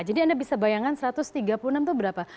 jadi anda bisa bayangkan satu ratus tiga puluh enam itu berapa